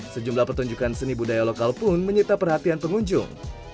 sejumlah pertunjukan seni budaya lokal pun menyita perhatian pengunjung